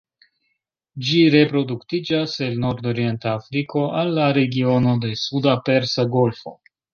Ĝi reproduktiĝas el nordorienta Afriko al la regiono de suda Persa Golfo.